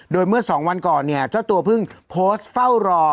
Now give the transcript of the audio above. โดยเมื่อ๒วันก่อนเนี่ยเจ้าตัวเพิ่งโพสต์เฝ้ารอ